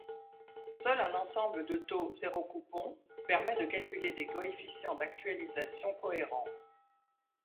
Seul un ensemble de taux zéro-coupon permet de calculer des coefficients d'actualisation cohérents.